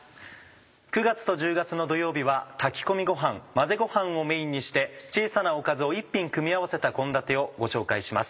９月と１０月の土曜日は炊き込みご飯混ぜご飯をメインにして小さなおかずを１品組み合わせた献立をご紹介します。